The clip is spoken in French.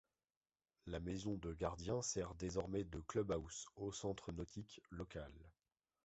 La maison de gardien sert désormais de clubhouse au centre nautique local.